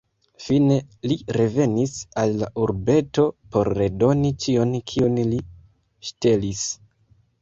Fine, li revenis al la urbeto por redoni ĉion kiun li ŝtelis.